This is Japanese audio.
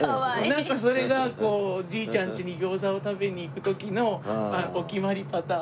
なんかそれがじいちゃんちに餃子を食べに行く時のお決まりパターン。